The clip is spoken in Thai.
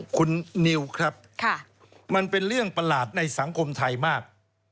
คุณนิวครับมันเป็นเรื่องประหลาดในสังคมไทยมาก